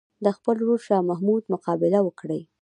د خپل ورور شاه محمود مقابله وکړي.